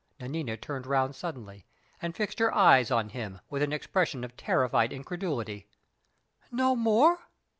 Nanina turned round suddenly, and fixed her eyes on him, with an expression of terrified incredulity. "No more?"